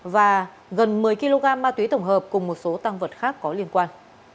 và gần một mươi kg ma túy tổng hợp cùng một số tăng vật khác có liên quan